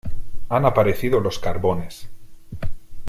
Han aparecido los carbones.